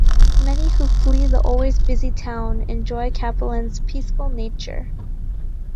Many who flee the always busy town enjoy Kapellen's peaceful nature.